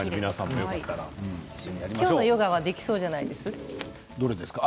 あのヨガはできそうじゃないですか？